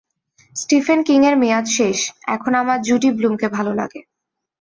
Stephen King এর মেয়াদ শেষ, এখন আমার জুডি ব্লুম কে ভালো লাগে।